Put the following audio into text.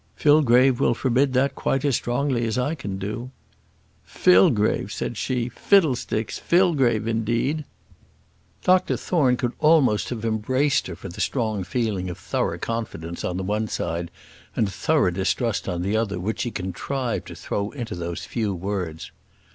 "Fillgrave will forbid that quite as strongly as I can do." "Fillgrave!" said she. "Fiddlesticks! Fillgrave, indeed!" Dr Thorne could almost have embraced her for the strong feeling of thorough confidence on the one side, and thorough distrust on the other, which she contrived to throw into those few words.